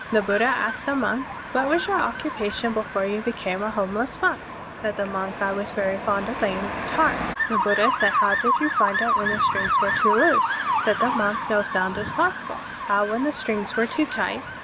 The Buddha asked the monk, "What was your occupation before you became a homeless monk?*' Said the monk, "I was very fond of playing the guitar." The Buddha said, "How did you find it when the strings were too loose?" Said the monk, "No sound is possible." "How when the strings were too tight?"